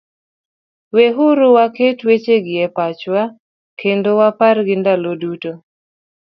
Weuru waket wechegi e pachwa kendo wapargi ndalo duto: